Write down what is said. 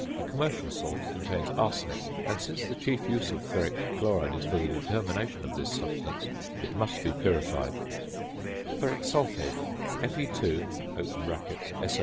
The commercial salt contains arsenic, and, since the chief use of ferric chloride is for the determination of this substance, it must be purified (see under ARSENIC).